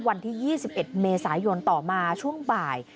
วันที่๒๑เมษายนต่อมาช่วงบ่าย